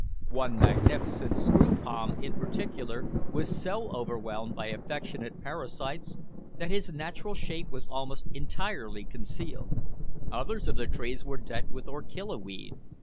One magnificent screw palm in particular was so overwhelmed by affectionate parasites that his natural shape was almost entirely concealed. Others of the trees were decked with orchilla weed.